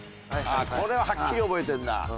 これははっきり覚えてるな。